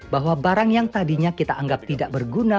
bahwa barang yang tadinya kita anggap tidak berguna